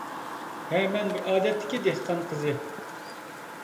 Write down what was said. ھە مەن بىر ئادەتتىكى دېھقان قىزى.